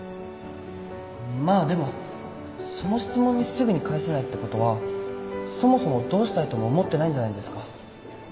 まあでもその質問にすぐに返せないってことはそもそもどうしたいとも思ってないんじゃないですか？